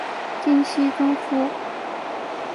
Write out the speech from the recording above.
金熙宗父。